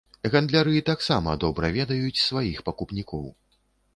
Гандляры таксама добра ведаюць сваіх пакупнікоў.